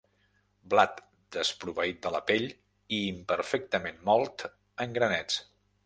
Blat desproveït de la pell i imperfectament mòlt en granets.